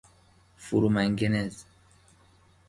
فرومنگنز